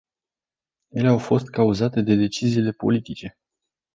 Ele au fost cauzate de deciziile politice.